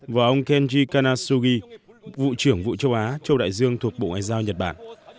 và ông kenji kanashugi vụ trưởng vụ châu á châu đại dương thuộc bộ ngoại giao nhật bản